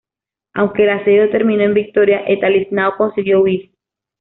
Aunque el asedio terminó en victoria, Estanislao consiguió huir.